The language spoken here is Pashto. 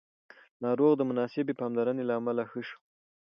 ناروغ د مناسبې پاملرنې له امله ښه شو